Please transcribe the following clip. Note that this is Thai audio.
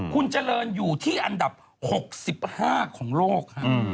คุณเจริญอยู่ที่อันดับ๖๕ของโลก